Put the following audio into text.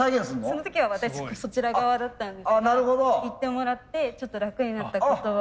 その時は私そちら側だったんですけど言ってもらってちょっと楽になった言葉を。